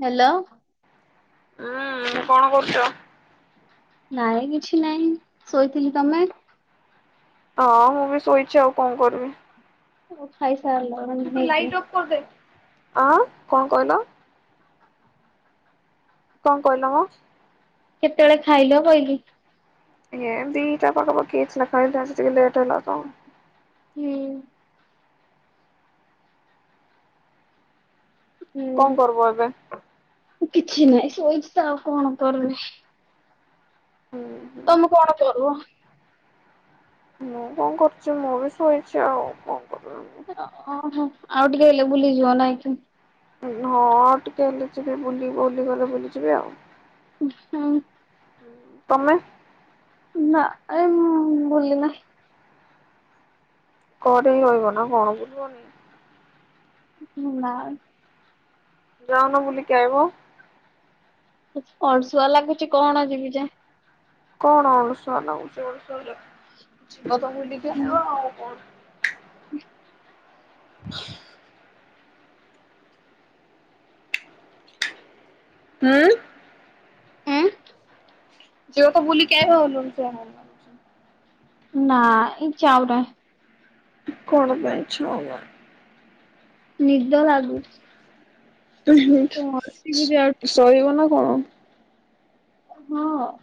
Hello. ହୁଁ କଣ କରୁଛ? ନାଇଁ କିଛି ନାଇଁ ଶୋଇଥିଲି, ତମେ? ହଁ ମୁଁ ବି ଶୋଇଛି ଆଉ କଣ କରିବି। ଓ ଖାଇ ସେପଟେ ଲାଇଟ୍ ଅପ୍ କରିଦେ। ଆଁ କଣ କହିଲ? କଣ କହିଲ ମ? କେତେବେଳେ ଖାଇଲ କହିଲି। ଇଏ ଦିଟା ପାଖାପଖି ହେଇଥିଲା ଖାଇଲି ଆଜି ଟିକେ ଲେଟ ତେଲ। ହୁଁ। କଣ ହୁଁ କରିବ ଏବେ? କିଛି ନାହିଁ ଶୋଇଛି ତ ଆଉ କଣ କରିବି? ହୁଁ। ହୁଁ ତମେ କଣ କରିବ? ମୁଁ କଣ କରୁଛି ମୁଁ ବି ଶୋଇଛି ଆଉ କଣ କରିବି? ଓହୋ ଆଉ ଟିକେ ହେଲେ ବୁଲିଯିବ ନାଇଁ କି? ହଁଉ ଟିକେ ହେଲେ ଯିବେ ବୁଲି ବୁଲି ଗଲେ ବୁଲି ଯିବେ ଆଉ। ହଁ। ତମେ? ନା ଏ ମୁଁ ଭୁଲି ନାହିଁ। ଘରେ ରହିବ ନା କଣ ବୁଲିବନି? ନା। ଯାଉନ ବୁଲିକି ଆାଇବ। ଅଳସୁଆ ଲାଗୁଛି କଣ ଯିବି ଯେ। କଣ ଅନୁଷ ହଁ ତ ବୁଲିକି ଆସିବ। ହ ହ [inaudible] ହୁଁ। ଆଁ। ଯଉ କ ବ ବୋଲିଲି କେ ହୁ [unintelligible] ନା ଇଁ ଯାଉନି ଆଉ। କଣ ପାଇଁ ଯାଉନି? ନିଦ ଲାଗୁଛି। କଣ ଯିବି ଯାଉଛି ଶୋଇବ ନା କଣ? କଣ? ହଁ।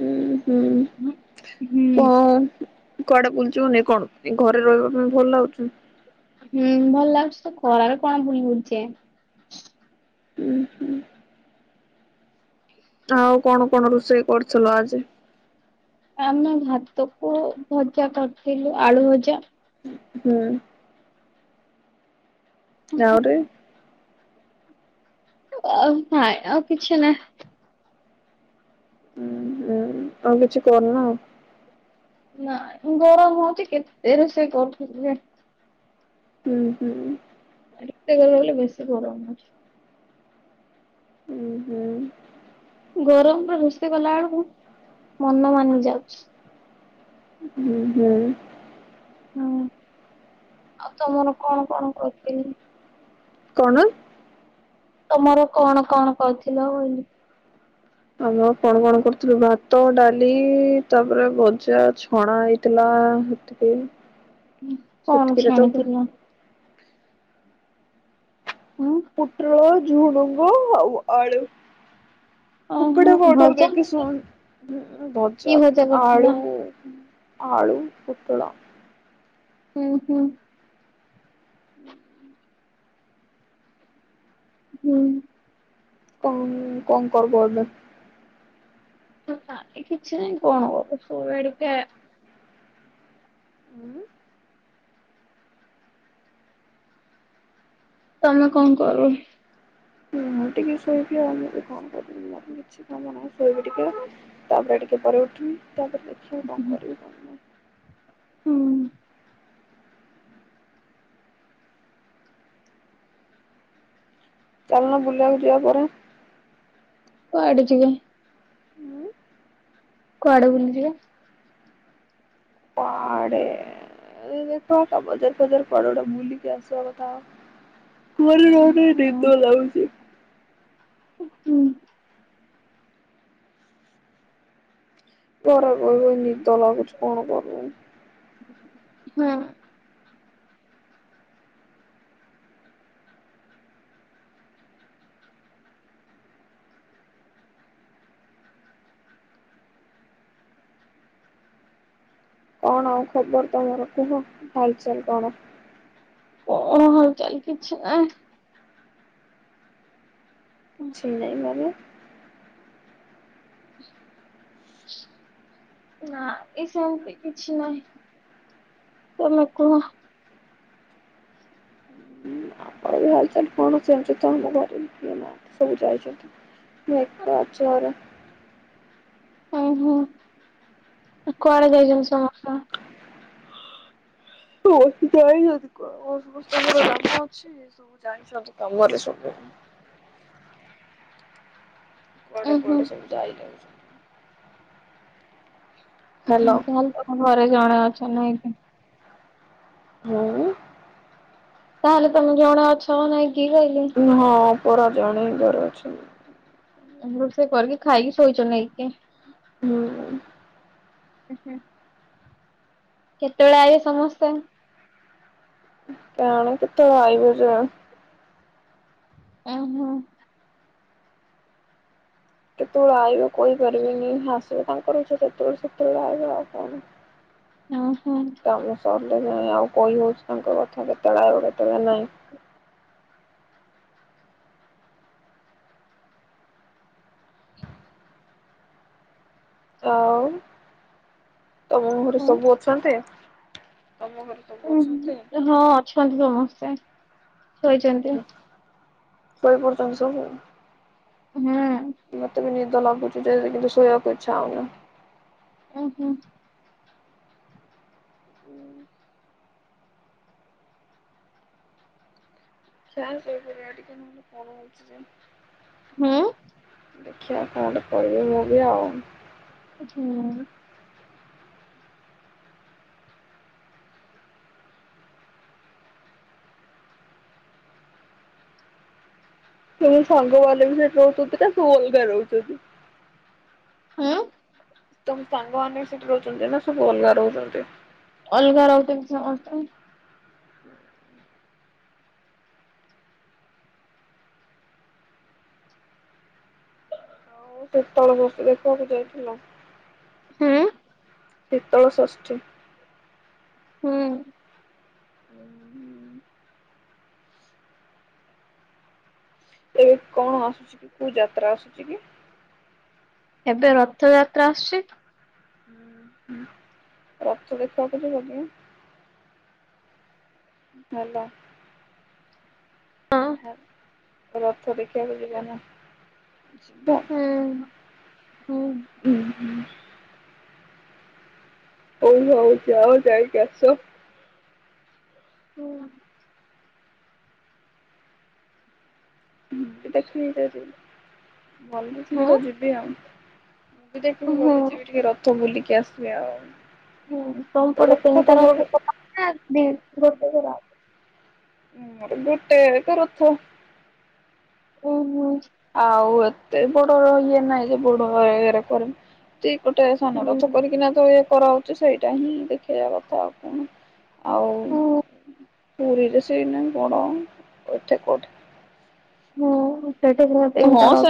ହୁଁ। ହୁଁ ହୁଁ। କାହା। କୁଆଡେ ବୁଲଯିବନି କି କଣ ଏ ଘରେ ରହିବା ପାଇଁ ଭଲ ଲାଗୁଛି। ହୁଁ ଭଲ ଲାଗୁଛି ତ ଖରାରେ କଣ ବୁଲିବି ଯେ। ଊ ହଁ। ଆଉ କଣ କଣ ରୋଷେଇ କରିଥିଲ ଆଜି? ଆମେ ଭାତ କୁ ଭଜା କରିଥିଲୁ ଆଳୁ ଭଜା। ହୁଁ। ଆହୁରି। ନାଇଁ ଆଉ କିଛି ନାହିଁ। ହଁ ହୁଁ ଆଉ କିଛି କରନା ଆଉ। ନାଇଁ ମୁ ଗରମ ହଉଛି କେତେ ରୋଷେଇ କରୁଥିବି ଯେ? ହୁଁ ହୁଁ। [unintelligible] ହୁଁ ହୁଁ ଗରମରେ ରୁଷେଇ କଲା ବେଳକୁ ମନ ମାନି ଯାଉଛି। ହୁଁ ହୁଁ ହଁ ଆଉ ତମର କଣ କଣ କରିପାରିବି? କଣ ତମର କଣ କଣ କହୁଥିଲ ବୋଲିି ଆମେ କଣ କଣ କରୁଥିଲୁ, ଭାତ, ଡାଲି, ତାପରେ ଭଜା ଛଣା ହେଇଥିଲା ସେତିକି। କଣ ସେତିକିରେ ତ ଛାଣିଥିଲ? ଉଁ? ପୁଟଳ ଝୁଡୁଙ୍ଗ ଆଉ ଆଳୁ ଓହୋ କୁକଡେ ଅଡର ଭଜା ଦେଇକି ଶୁ ହୁଁ କି ଭଜା କରିଥିଲ ଆଳୁ-ଉ-ଉ। ଆଳୁ, ପୋଟଳ ହୁଁ ହୁଁ। ହୁଁ। କଣ କଣ କର କରଲେ। କିଛି ନାଇ କଣ ଶୋଇବା ଟିକେ ହୁଁ। ତମେ କଣ କର? ହଁ ମୁଁ ଟିକେ ସେଇ [unintelligible] କଣ କରିବି ଭାବିନି କିଛି। ଆଉ କଣ ଶୋଇବି ଟିକେ ତାପରେ ସେ ତାର ଉଠୁନି। ତାପରେ ଦେଖିବା କଣ କରିବି କଣ ନାଇ । ହୁଁ। ଚାଲୁନ ବୁଲିବାକୁୁ ଯିବା କୁଆଡେ। କୁଆଡେ ଯିବେ? ହୁଁ। କୁଆଡେ ବୁଲି ଯିବା? କୁଆଡେ ଦେଖ ବଜାର ଫଜାର କୁଆଡେ ଗୋଟେ ବୁଲିିକି ଆସିବା କଥା। ଭଲ ଲାଗୁନି ହୁଁ ନିଦ ଲାଗୁଛି। ହୁଁ। ପର ଘରେ ଏ ନିଦ ଲାଗୁଛି କଣ କରିବି? ହଁ। କଣ ଆଉ ଖବର ତମର କୁହ ହାଲଚାଲ କଣ? କଣ ହଲଚାଲ କିଛି ନାହି। କିଛି ନାହିଁ ମାନେ। ନା ଏ ସେମିତି କିଛି ନାହିଁ, ତମେ କୁହ। ର ବି ହାଲଚାଲ କଣ ସେ ଏମିତି ତ ଆମ ଘରେ କିଏ ମା ସବୁ ଯାଇଛନ୍ତି ମୁଁ ଏକା ଆଛି ଘରେ ଓହୋ! କୁଆଡେ ଯାଇଛନ୍ତି ସମସ୍ତେ? ଯାଇଛନ୍ତି କାମ ସମସ୍ତଙ୍କର କାମ ଅଛି ସବୁ ଯାଇଛନ୍ତି କାମରେ ସବୁ। ଉଁ ପଡେ ହୁଁ ପଡେ ସେମତି ଆଇଲେଣି। ହ୍ୟାଲୋ ତାହେଲେ ତମ ଘରେ ଜଣା [unintelligible] ମୁଁ ତାହେଲେ ତମେ ଜଣେ ଅଛ ନାଇଁ। କି କହିଲି ହଁ। ପରା ଜଣେଇବର ଅଛି। ରୋଷେଇ କରିକି ଖାଇକି ଶୋଇଛ ନେଇକି? ହୁଁ। ଓ ହ। କେତେବେଳେ ଆଇବେ ସମସ୍ତେ? କଣ କେତେବେଳେ ଆଇବେ ଯେ। ଓ ହୋ। କେତେବେଳେ ଆଇବେ କହିପାରିବିନି ଆସିବ ତାଙ୍କର ଇଛା କେତେବେଳେ ସେତେବେଳେ ଆଇିବ ଆଉ କଣ? ହଁ। କାମ ସରୁ। ଆଉ କହି ହଉଛି ତାଙ୍କ କଥା କେତେବେଳେ ଅଇବେ କେତେଳେ ନାହିଁ। ଆଉ ତମ ଘରେ ହୁଁ। ସବୁ ଅଛନ୍ତି? ତମ ଘରେ ସବୁ ଅଛନ୍ତି? ହଁ ଅଛନ୍ତି ସମସ୍ତେ। ଶୋଇଛନ୍ତି। ସୋଇପଡ଼ିଛନ୍ତି ସବୁ। ହୁଁ। ମତେ ବି ନିଦ ଲାଗୁଛି ଯେ କିନ୍ତୁ ଶୋଇବାକୁ ଇଚ୍ଛା ହଉ ନି। ଓହୋ। ଚାଲ ଶୋଇପଡ଼ିବା ଟିକେ ଗରମ ହୋଉଛି ଯେ ହୁଁ। [inaudible] ହ। ସେମ ସାଙ୍ଗ ବାଲେ ବି ସେଠି ରହୁଛନ୍ତି ନା ସ ଅଲଗା ରହୁଛନ୍ତି। ହଁ। ତମ ସାଙ୍ଗମାନେକ ସେଠି ରହୁଛନ୍ତି ନା ସବୁ ଅଲଗା ରହୁଛନ୍ତି। ଅଲଗା ରହୁଛନ୍ତି ସମସ୍ତେ। ଶ ତଳେ ବଷ ଦେଖିବାକୁ ଯାଇଥିଲ [inaudible] ହୁଁ ଶୀତଳଷଷ୍ଠୀ ହଁ। ହୁଁ ହୁଁ। ଏବେ କଣ ଆସୁଛି କି କୋଉ ଯାତ୍ରା ଆସୁଛି କି ଏବେ ରଥଯାତ୍ରା ଆସୁଛି। ରଥ ଦେଖିବାକୁ ଯିବକି ହେଲା। ହଁ। ରଥ ଦେଖିବାକୁ ଜିବନା ହୁଁ ହୁଁ। ହଁ ହ। ଓ ଭଉ ଯାଅ ଯାଇକି ଆସ। ହୁଁ। ହଁ ଏ ଦେଖଛି। ଭଲୁଛିି ହୁଁ ତ ଯିବି ଆଉ। ମୁଭି ଦେଖିବି ହୁଁ ଭଲ ଯିବି ଟିକେ ରଥ ବୁଲି [unintelligible] ଆଉ। ହୁଁ ତମପଟେ ରଥ ତିନିଟା ତମର ରଥ କରାହଉଚି ନା ଦି ଗୋଟେ ଘର? ହଁ ଗୋଟେ [unintelligible] ଉମ୍ ହୁଁ। ଆଉ ଏତେ ବଡ ଇଏ ନାଇଁ ଯେ ବୁଡ ରେ ଇଏ କରିମି। ସେଇ ପଟେ ସାନ ହୁଁ। ରଥ କରିକିନା ତ ଇଏ କରାହଉ ତୁ ସେଇଟା ହିଁ ଦେଖେଇବା କଥା ଆଉ କଣ? ଆଉ ହୁଁ ପୁରୀରେ ସେଇନେ କଣ ଏଠି କୋଉଠି ହୁଁ ଉଁ। ଏଇ ଟାଇପ୍ ର ତିନିଟା ର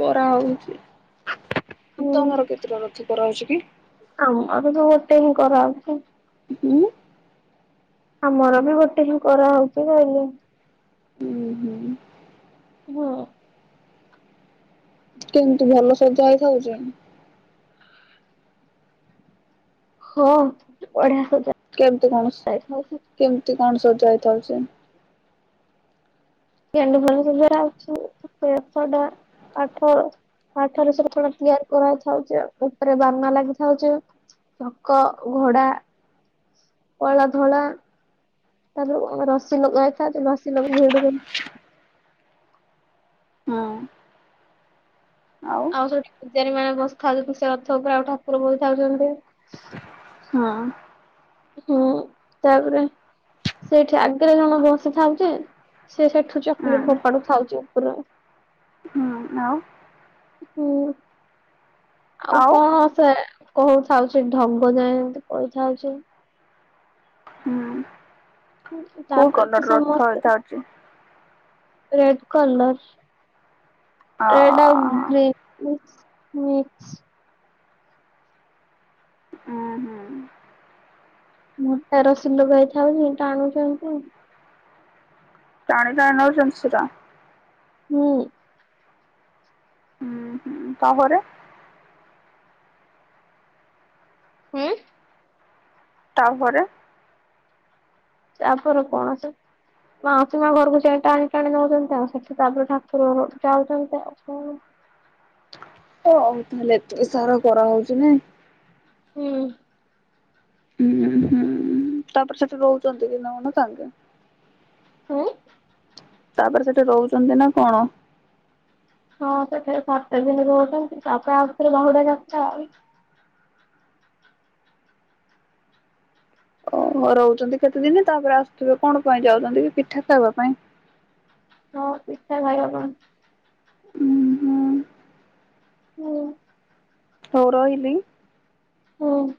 ପରା ହଉଛି। ହୁଁ ଆମର ତ ଗୋଟେ କରହଉଚି। ଉଁ? ଆମର ବି ଗୋଟେ ହିଁ କରାହଉଛି କଲେ ଉଁ ହୁଁ । ହଁ। କେମତି ଭଲ ସଜା ହେଇଥାଉଚି? ହଁ। ବଢିଆ ସଜା କେମତି କଣ ସି ଯାଇଥାଉଛି। କେମତି କଣ ସଜା ହେଇଥାଉଛି? ଗେଣ୍ଡୁଫୁଲ ସଜରା ହଉଚି [unintelligible] ଆଠ କାଠରେ ସବୁ କଣ ତିଆରି କରାଥାଉଛି ଆଉ। ଉପରେ ବାନା ଲାଗି ଥାଉଛି। ଚକ, ଘୋଡା, କଳା ଧଳା ତ ଧେରେ ଆମ ରସି ଲଗା ହେଇଥାଏ ଯେ ରସି ଲୋକ ଭିଡୁଛନ୍ତି। ହଁ। ଆଉ ସେଠିକି ପୂଜାରୀ ମାନେ ବସିଖାଉଛନ୍ତି ସେ ରଥ ଉପରେ ଆଉ ଠାକୁର ବସି ଥାଉଛନ୍ତି । ହଁ। ହୁଁ ତାପରେ ସେଇଠି ଆଗରେ ଜଣେ ବସିଥାଉଚି ସେ ସେଠୁ ଚକଲେଟ ହଁ ଫୋପାଡୁ ଉ [unintelligible] ଆଉ ହୁଁ। ଆଉ କଣ ସେ କହୁଥାଉଛି ଢଙ୍ଗ ଯାଏ ଏମିତି କହିଥାଉଛି। ହୁଁ କୋଉ ତାପରେ ତ କଲର୍ ର ଅର୍ଥ ଏଇଟା ଅଛି। Red colour. ଅ ରେଡ଼ ଆଉ ଗ୍ରୀନ [unintelligible] ଁ। ହୁଁ ହୁଁ ମଟା ରସି ଲଗେଇଥାଉନ ଟାଣୁଛନ୍ତି [unintelligible] ଚାାଣିିଲାାଇନ ଜନଷଟା [unintelligible] ହୁଁ। ତାହରେ। ହୁଁ। ତାପରେ। ତାପରେ କଣସି ମାଉସୀ ମା ଘରକୁ ଯ ଟାଣି ଟାଣି ନଉଛନ୍ତି ଆଉ ସେଠି ତାପରେ ଠାକୁର ଘ ଯାଉଛନ୍ତି ଆଉ। ହ ଆଉ ତାହେଲେ ଏ ସାରା କରାହଉଛି ନା। ହୁଁ। ହଁ ତାପରେ ସେଠି ରହୁଛନ୍ତି କି ନହୁଉନ ସାଙ୍ଗେ। ହୁଁ। ତାପରେ ସେଠି ରହୁଛନ୍ତି ନା କଣ? ହଁ ସେଠାରେ ସାତଟା ଦିନ ରହୁଛନ୍ତି ତାପରେ ଆଉଥରେ ବାହୁଡା ଯାତା ଆଉ। ଓ ରହୁଛନ୍ତି କେତେଦିନ ତାପରେ ଆସୁଥିବେ କଣ ପାଇଁ ଯାଉଛନ୍ତି କି ପିଠା ଖାଇବା ପାଇଁ? ହଁ ପିଠା ଭାଇ ହ କଣ? ଉ ହୁଁ। ହୁଁ। ହଉ ରହିଲି। ହଁ।